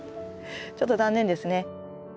ちょっと残念ですね。